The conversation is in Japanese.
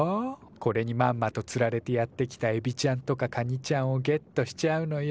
これにまんまとつられてやって来たエビちゃんとかカニちゃんをゲットしちゃうのよ。